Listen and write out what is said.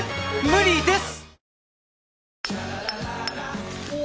無理です！